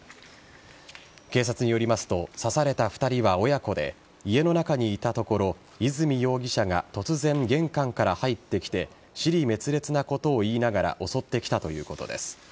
警察によりますと刺された２人は親子で家の中にいたところ泉容疑者が突然、玄関から入ってきて支離滅裂なことを言いながら襲ってきたということです。